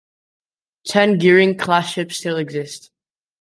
Ten "Gearing"-class ships still exist.